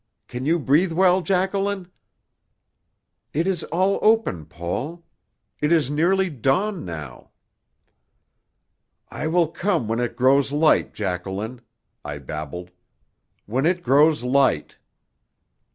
Can you breathe well, Jacqueline?" "It is all open, Paul. It is nearly dawn now." "I will come when it grows light, Jacqueline," I babbled. "When it grows light!"